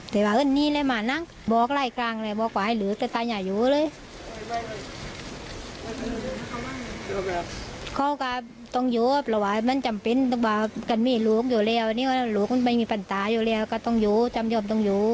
ส่วนในเล็กม่วงงาม